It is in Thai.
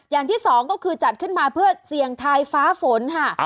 อย่างที่สองก็คือจัดขึ้นมาเพื่อเสี่ยงทายฟ้าฝนค่ะ